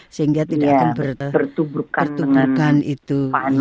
sehingga tidak akan bertuburkan itu